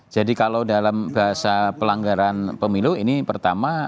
kalau dalam bahasa pelanggaran pemilu ini pertama